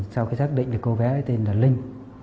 sau khi xác định được cô bé tên là linh